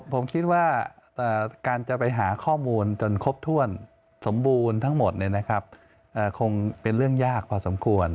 ผมคิดว่าการจะไปหาข้อมูลจนครบถ้วนสมบูรณ์ทั้งหมดคงเป็นเรื่องยากพอสมควร